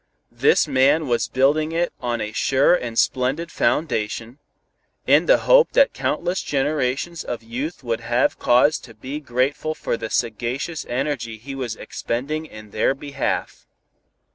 This man was building it on a sure and splendid foundation, in the hope that countless generations of youth would have cause to be grateful for the sagacious energy he was expending in their behalf.